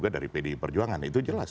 dari pdi perjuangan itu jelas